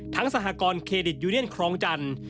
สหกรณ์เครดิตยูเนียนครองจันทร์